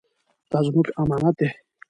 دا زموږ امانت دی.